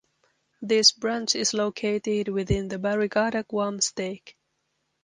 This branch is located within the Barrigada Guam Stake.